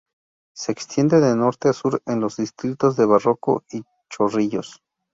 Se extiende de norte a sur en los distritos de Barranco y Chorrillos.